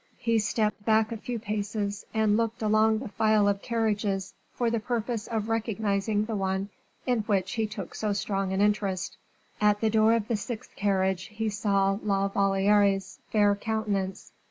He stepped back a few paces, and looked along the file of carriages for the purpose of recognizing the one in which he took so strong an interest. At the door of the sixth carriage he saw La Valliere's fair countenance.